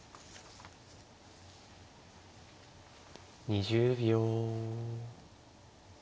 ２０秒。